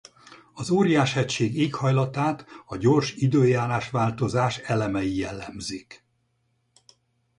Az Óriás-hegység éghajlatát a gyors időjárás-változás elemei jellemzik.